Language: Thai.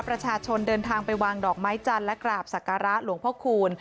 ประชาชนเดินทางไปวางดอกไม้จันทร์และกราบศักระหลวงพ่อคูณ